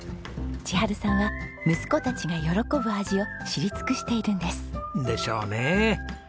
千春さんは息子たちが喜ぶ味を知り尽くしているんです。でしょうね。